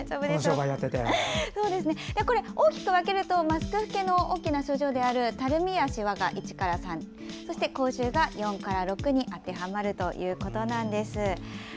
大きく分けるとマスク老けの大きな症状であるたるみ、シワが１から３口臭が４から６に当てはまるということです。